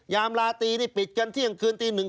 ยามลาตรีนี่ปิดกันเที่ยงคืนตีหนึ่ง